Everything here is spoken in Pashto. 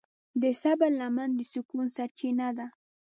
د صبر لمن د سکون سرچینه ده.